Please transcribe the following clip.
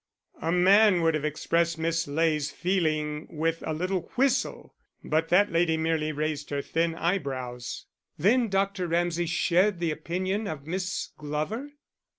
A man would have expressed Miss Ley's feeling with a little whistle, but that lady merely raised her thin eyebrows. Then Dr. Ramsay shared the opinion of Miss Glover?